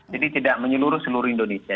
jadi tidak menyeluruh seluruh indonesia